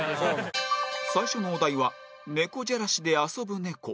最初のお題は「猫じゃらしで遊ぶネコ」